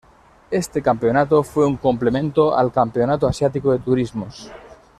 Este campeonato fue un complemento al Campeonato Asiático de Turismos.